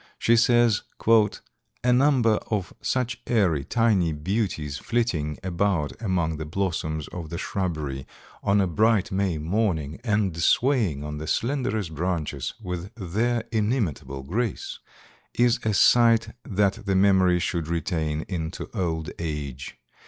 She says: "A number of such airy, tiny beauties flitting about among the blossoms of the shrubbery on a bright May morning and swaying on the slenderest branches with their inimitable grace, is a sight that the memory should retain into old age.